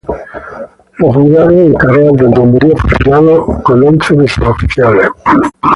Fue juzgado en Carral, donde murió fusilado con once de sus oficiales.